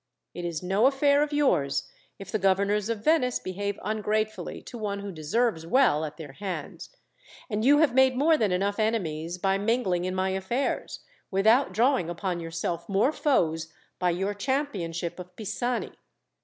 It is no affair of yours, if the governors of Venice behave ungratefully to one who deserves well at their hands, and you have made more than enough enemies by mingling in my affairs, without drawing upon yourself more foes, by your championship of Pisani."